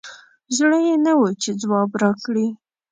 زړه یي نه وو چې ځواب راکړي